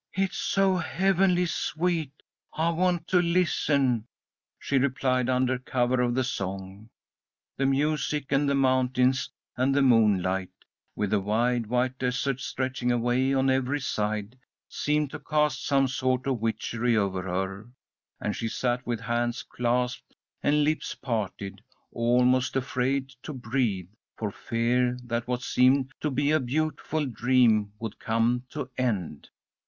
"It's so heavenly sweet I want to listen," she replied, under cover of the song. The music and the mountains and the moonlight, with the wide, white desert stretching away on every side, seemed to cast some sort of witchery over her, and she sat with hands clasped and lips parted, almost afraid to breathe, for fear that what seemed to be a beautiful dream would come to end.